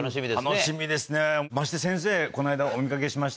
楽しみですね。